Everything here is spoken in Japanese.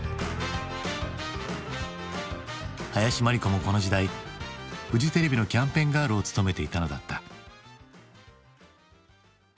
林真理子もこの時代フジテレビのキャンペーンガールを務めていたのだった。